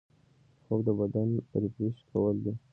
خوب د بدن ریفریش کول دي